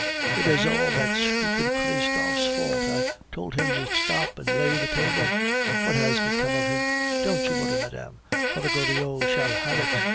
"It is all that stupid Christophe's fault. I told him to stop and lay the table. What has become of him? Don't you worry, madame; Father Goriot shall have it.